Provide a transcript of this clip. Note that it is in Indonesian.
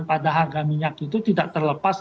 pada harga minyak itu tidak terlepas